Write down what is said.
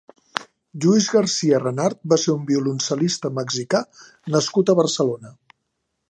Lluís Garcia Renart va ser un violoncel·lista -mexicà nascut a Barcelona.